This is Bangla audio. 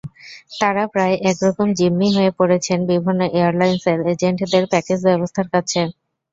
তাঁরা প্রায় একরকম জিম্মি হয়ে পড়েছেন বিভিন্ন এয়ারলাইনসের এজেন্টদের প্যাকেজ ব্যবস্থার কাছে।